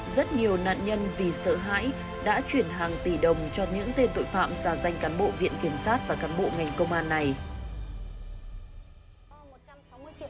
rất nhiều nạn nhân vì sợ hãi đã chuyển hàng tỷ đồng cho những tên tội phạm ra danh cán bộ viện kiểm sát và cán bộ ngành công an này